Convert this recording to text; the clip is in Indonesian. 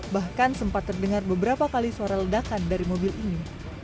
bahkan sempat terdengar beberapa kali suara ledakan dari mobil ini